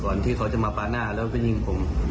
ก่อนที่เค้ามาปากหน้าก็ก็ยิงผม